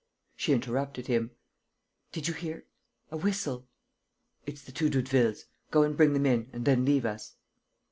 She interrupted him: "Did you hear? A whistle. ..." "It's the two Doudevilles. Go and bring them in; and then leave us."